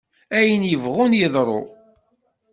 Ayen yebɣun yeḍru!